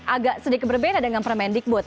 agak sedikit berbeda dengan permendikbud